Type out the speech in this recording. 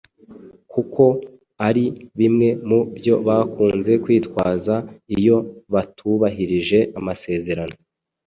kuko ari bimwe mu byo bakunze kwitwaza iyo batubahirije amasezerano.